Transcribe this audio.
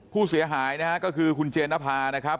ผู้เสียหายนะฮะก็คือคุณเจนภานะครับ